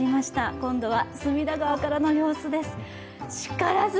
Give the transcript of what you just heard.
今度は隅田川からの様子です。